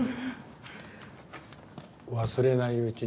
忘れないうちに。